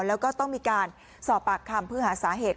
แล้วก็ต้องมีการสอบปากคำเพื่อหาสาเหตุ